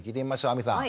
亜美さん。